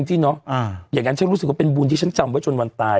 จริงเนาะอย่างนั้นฉันรู้สึกว่าเป็นบุญที่ฉันจำไว้จนวันตาย